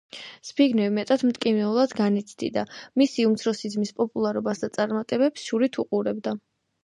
ზბიგნევი მეტად მტკივნეულად განიცდიდა მისი უმცროსი ძმის პოპულარობას და წარმატებებს შურით უყურებდა.